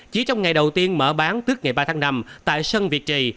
chỉ trong ngày đầu tiên mở bán trước ngày ba tháng năm tại sân việt trì